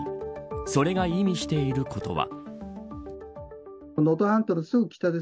それが意味していることは。